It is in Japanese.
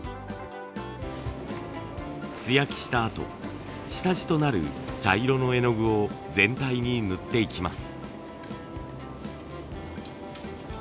素焼きしたあと下地となる茶色の絵の具を全体に塗っていきます。